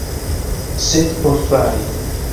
Sed por fari...